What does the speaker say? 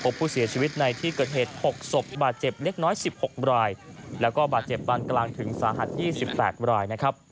ผู้เสียชีวิตในที่เกิดเหตุ๖ศพบาดเจ็บเล็กน้อย๑๖รายแล้วก็บาดเจ็บปานกลางถึงสาหัส๒๘รายนะครับ